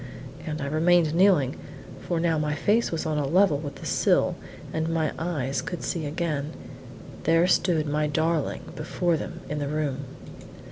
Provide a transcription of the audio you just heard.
And I remained kneeling; for now my face was on a level with the sill; and when my eyes could see again, there stood my darling before them in the room.